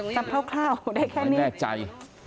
คร่าวได้แค่นี้แน่ใจ